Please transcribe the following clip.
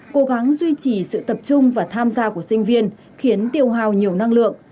cố gắng duy trì sự tập trung và tham gia của sinh viên khiến tiêu hào nhiều năng lượng